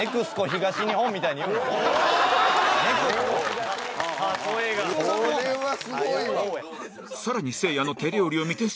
ＮＥＸＣＯ東日本は。